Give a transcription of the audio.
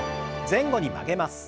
前後に曲げます。